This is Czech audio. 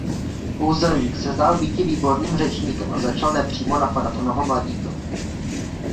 Kouzelník se zdál býti výborným řečníkem a začal nepřímo napadat onoho mladíka.